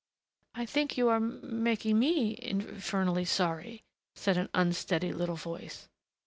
"I think you are m making me inf fernally sorry," said an unsteady little voice.